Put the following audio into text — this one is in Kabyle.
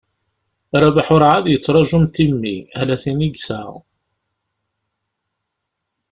Rabeḥ ur εad yettraju mm timmi, ala tin i yesεa.